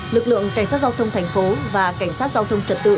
lực lượng cảnh sát giao thông thành phố và cảnh sát giao thông trật tự